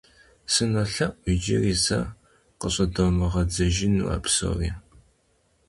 СынолъэӀу иджыри зэ къыщӀыдомыгъэдзэжыну а псори.